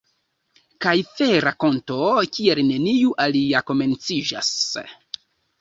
Kaj fe-rakonto kiel neniu alia komenciĝas...